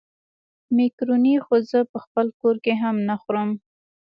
مېکاروني خو زه په خپل کور کې هم نه خورم.